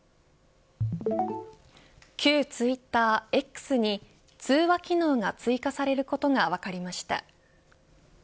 旧ツイッターＸに通話機能が追加されることが分かりました。